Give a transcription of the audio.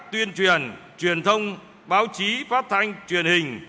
tuyên truyền truyền thông báo chí phát thanh truyền hình